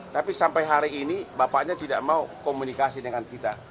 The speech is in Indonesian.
tapi sampai hari ini bapaknya tidak mau komunikasi dengan kita